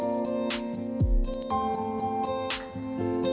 ก็ได้ด้วยต่อให้พูด